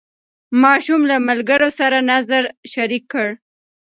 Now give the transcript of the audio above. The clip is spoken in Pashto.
ماشوم له ملګرو سره نظر شریک کړ